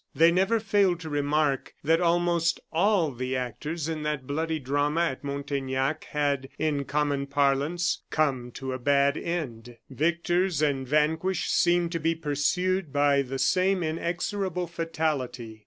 They never failed to remark that almost all the actors in that bloody drama at Montaignac had, in common parlance, "come to a bad end." Victors and vanquished seemed to be pursued by the same inexorable fatality.